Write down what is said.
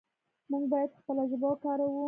موږ باید خپله ژبه وکاروو.